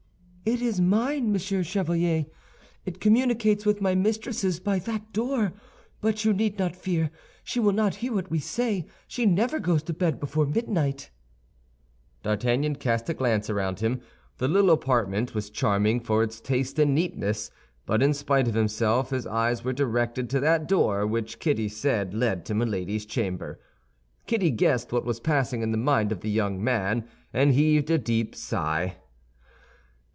"It is mine, Monsieur Chevalier; it communicates with my mistress's by that door. But you need not fear. She will not hear what we say; she never goes to bed before midnight." D'Artagnan cast a glance around him. The little apartment was charming for its taste and neatness; but in spite of himself, his eyes were directed to that door which Kitty said led to Milady's chamber. Kitty guessed what was passing in the mind of the young man, and heaved a deep sigh.